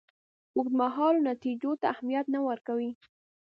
اوږدمهالو نتیجو ته اهمیت نه ورکوي.